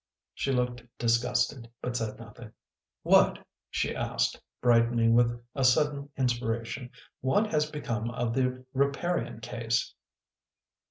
She looked disgusted but said nothing. " What," she asked, brightening with a sudden inspira tion, " what has become of the Riparian case